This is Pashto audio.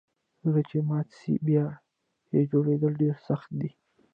زړه چي مات سي بیا یه جوړیدل ډیر سخت دئ